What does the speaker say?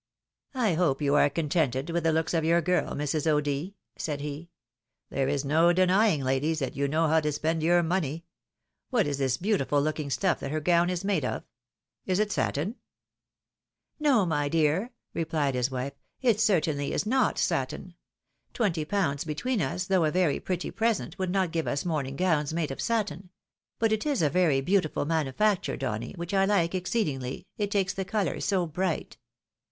" I hope you are contented with the looks of your girl, Mrs. O'D. ?" said he. " There is no denying, ladies, that you know how to spend your money. What is this beautiful looking stuff that her gown is made off? — Is it satin ?"" No, my dear," rephed his wife ;" it certainly is not satin. Twenty pounds between us, though a very pretty present, would not give us morning gowns made of satin. But it is a very beautiful manufacture, Donny, which I hke exceedingly, it takes the colour so bright.